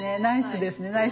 ナイスですね。